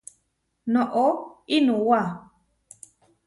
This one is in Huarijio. Noʼó iʼnuwá.